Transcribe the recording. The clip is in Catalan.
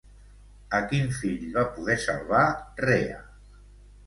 A quin fill va poder salvar Rea?